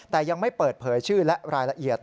แต่ยังไม่เปิดเผยชื่อและรายละเอียด